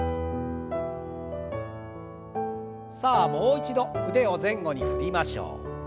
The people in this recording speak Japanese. さあもう一度腕を前後に振りましょう。